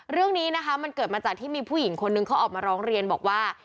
เรื่องนี้นะคะมันเกิดมาจากที่มีผู้หญิงคนนึงเขาออกมาร้องเรียนบอกว่า